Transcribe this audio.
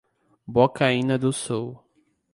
Bocaina do Sul